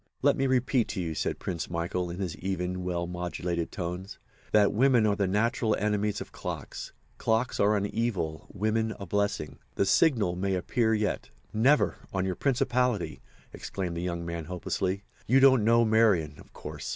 "Let me repeat to you," said Prince Michael, in his even, well modulated tones, "that women are the natural enemies of clocks. Clocks are an evil, women a blessing. The signal may yet appear." "Never, on your principality!" exclaimed the young man, hopelessly. "You don't know Marian—of course.